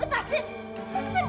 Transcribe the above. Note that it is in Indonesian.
lepasin mas jangan